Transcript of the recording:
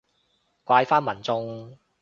怪返民眾